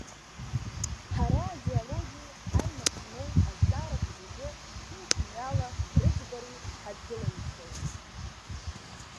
Ҳара адиалоги аимак змоу азҵаарақәа зегьы ҭынч мҩала рыӡбареи ҳадгылаҩцәоуп.